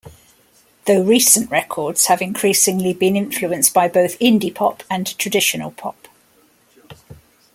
Though recent records have increasingly been influenced by both indie pop and traditional pop.